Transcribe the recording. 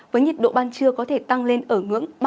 với nhiệt độ ban trưa có thể tăng lên ở ngưỡng ba mươi ba độ